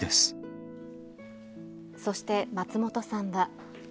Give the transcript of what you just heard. そして、松本さんは。